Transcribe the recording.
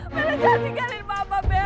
bella jangan tinggalin mama bella